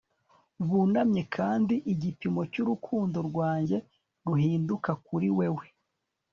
Bunamye kandi igipimo cyurukundo rwanjye ruhinduka kuri wewe